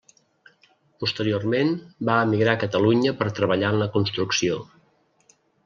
Posteriorment va emigrar a Catalunya per treballar en la construcció.